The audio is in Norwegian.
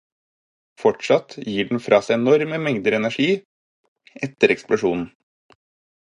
Fortsatt gir den fra seg enorme mengder energi etter eksplosjonen.